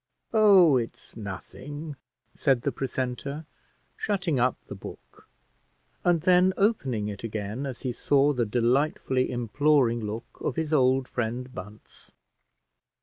"Oh! it's nothing," said the precentor, shutting up the book and then opening it again as he saw the delightfully imploring look of his old friend Bunce.